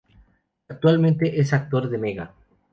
Actualmente es actor de Mega.